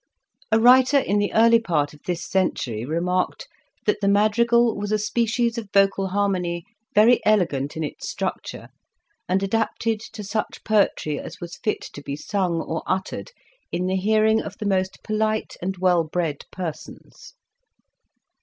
A writer in the early part of this century remarked, that the madrigal was a species of vocal harmony very elegant in its structure, and adapted to such poetry as was fit to be sung or uttered in the hearing of the most polite and well bred persons.